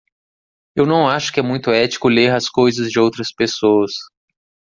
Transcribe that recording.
Eu não acho que é muito ético ler as coisas de outras pessoas.